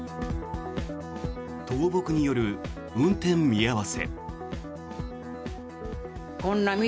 倒木による運転見合わせ。